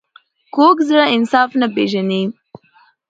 کوږ زړه انصاف نه پېژني